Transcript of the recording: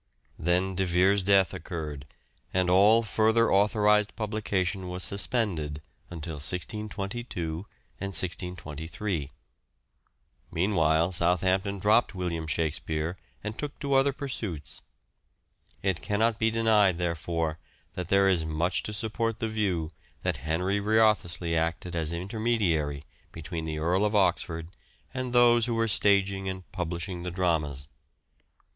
Then De Vere's death occurred, and all further authorized publication was suspended till 1622 and 1623. Meanwhile Southampton dropped William Shakspere, and took to other pursuits. It cannot be denied, therefore, that there is much to support the view that Henry Wriothesley acted as intermediary between the Earl of Oxford and those who were staging and publishing the dramas.